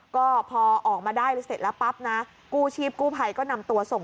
ก็พอออกมาได้เสร็จแล้วปั๊บนะกู้ชีพกู้ภัยก็นำตัวส่ง